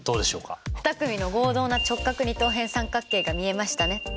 ２組の合同な直角二等辺三角形が見えましたね。